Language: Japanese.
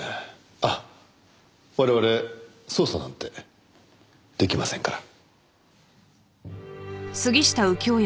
あっ我々捜査なんて出来ませんから。